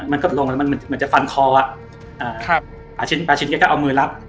มันกดลงมันเหมือนจะฟันคอปาชินแกก็เอามือลับ